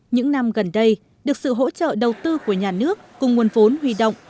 những năm gần đây được sự hỗ trợ đầu tư của nhà nước cùng nguồn vốn huy động